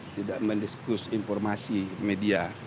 tidak mendiskus informasi media